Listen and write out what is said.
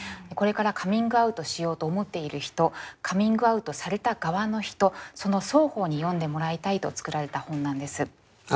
これからカミングアウトしようと思っている人カミングアウトされた側の人その双方に読んでもらいたいと作られた本なんです。